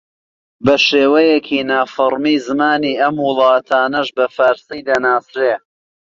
بە شێوەیەکی نافەرمی زمانی ئەم وڵاتانەش بە فارسی دەناسرێ